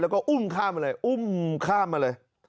แล้วก็อุ้มข้ามมาเลยอุ้มข้ามมาเลย